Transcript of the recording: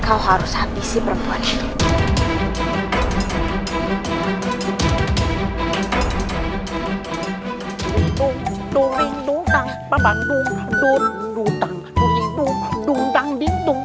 kau harus habisi perempuan itu